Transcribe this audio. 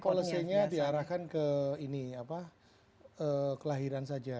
polisinya diarahkan ke ini kelahiran saja